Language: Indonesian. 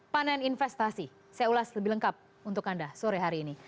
panen investasi saya ulas lebih lengkap untuk anda sore hari ini